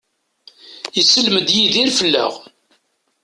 Isellem-d Yidir fell-aɣ.